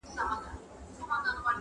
قاضي ډېر قهر نیولی دئ سړي ته,